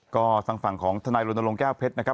ก็ทางฝั่งของทนรแก้เพชร